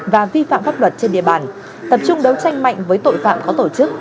và vi phạm pháp luật trên địa bàn tập trung đấu tranh mạnh với tội phạm có tổ chức